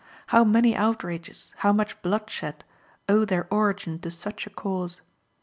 How many outrages, how much bloodshed, owe their origin to such a cause!